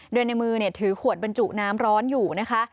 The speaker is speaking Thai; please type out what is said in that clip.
โดยในมือถือขวดบรรจุน้ำร้อนอยู่นะคะ